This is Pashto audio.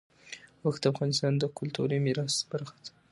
اوښ د افغانستان د کلتوري میراث برخه ده.